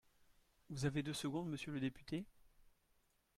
Vous avez deux secondes, monsieur le député.